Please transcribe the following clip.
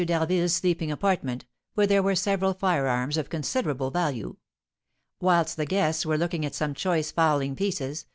d'Harville's sleeping apartment, where there were several firearms of considerable value. Whilst the guests were looking at some choice fowling pieces, M.